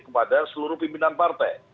kepada seluruh pimpinan partai